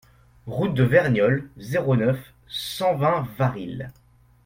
Route de Verniolle, zéro neuf, cent vingt Varilhes